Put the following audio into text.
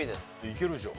いけるでしょ。